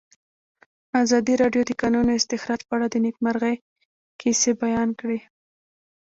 ازادي راډیو د د کانونو استخراج په اړه د نېکمرغۍ کیسې بیان کړې.